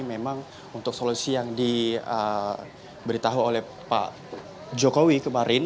memang untuk solusi yang diberitahu oleh pak jokowi kemarin